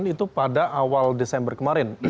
itu pada awal desember kemarin